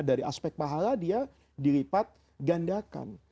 dari aspek pahala dia dilipat gandakan